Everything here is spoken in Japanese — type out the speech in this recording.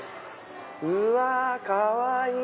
うわかわいい！